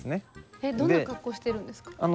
えっどんな格好しているんですか？